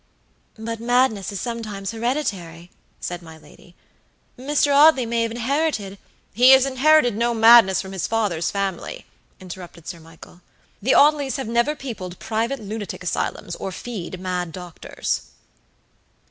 "But madness is sometimes hereditary," said my lady. "Mr. Audley may have inherited" "He has inherited no madness from his father's family," interrupted Sir Michael. "The Audleys have never peopled private lunatic asylums or fed mad doctors."